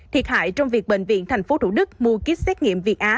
thiệt hại trong việc bệnh viện tp thủ đức mua kýt xét nghiệm việt á